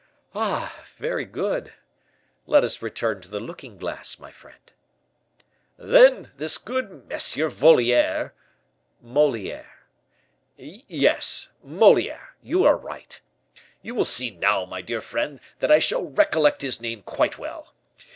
"Ah! very good. Let us return to the looking glass, my friend." "Then, this good M. Voliere " "Moliere." "Yes Moliere you are right. You will see now, my dear friend, that I shall recollect his name quite well.